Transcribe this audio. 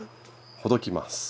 ほどきます！